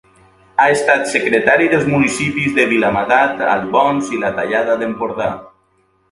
Ha estat secretari dels municipis de Viladamat, Albons i La Tallada d’Empordà.